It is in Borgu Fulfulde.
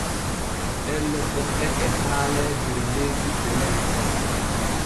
Ɗelle goɗɗe e haalee der leydi Bene.